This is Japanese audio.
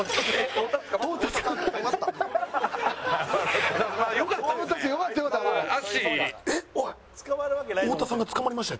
「太田さんが捕まりました」